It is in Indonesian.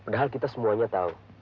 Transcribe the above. padahal kita semuanya tahu